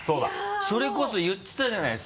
それこそ言ってたじゃない。